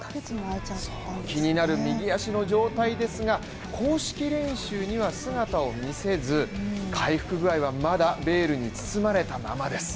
気になる右足の状態ですが、公式練習には姿を見せず、回復具合はまだベールに包まれたままです。